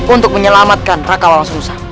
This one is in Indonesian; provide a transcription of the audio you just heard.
untuk menyelamatkan raka walang semusa